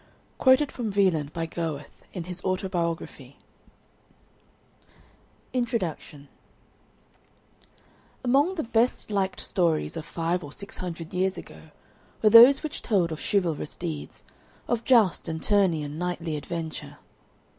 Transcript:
Quoted from Wieland by Goethe in his Autobiography Introduction Among the best liked stories of five or six hundred years ago were those which told of chivalrous deeds of joust and tourney and knightly adventure.